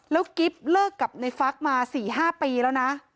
แล้วกิ๊บเลิกกับในฟักมา๔๕ปีแล้วนะ